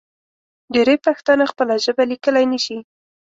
ډېری پښتانه خپله ژبه لیکلی نشي.